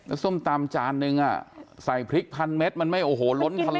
ส้มตำจานนึงอ่ะใส่พริกพันเม็ดมันไม่โอ้โหล้นทะเล